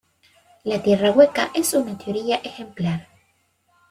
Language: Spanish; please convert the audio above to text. La tierra hueca es una teoría ejemplar.